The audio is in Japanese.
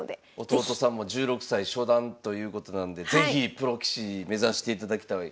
弟さんも１６歳初段ということなんで是非プロ棋士目指していただきたい。